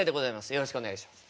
よろしくお願いします。